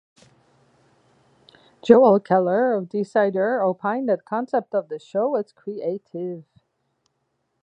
Joel Keller of "Decider" opined that the concept of the show was creative.